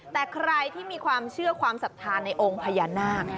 แต่ใครที่มีความเชื่อความศรัทธาในองค์พญานาค